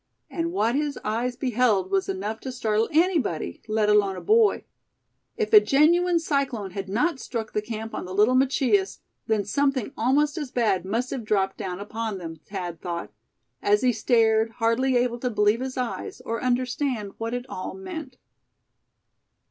And what his eyes beheld was enough to startle anybody, let alone a boy. If a genuine cyclone had not struck the camp on the Little Machias, then something almost as bad must have dropped down upon them, Thad thought, as he stared, hardly able to believe his eyes, or understand what it all meant.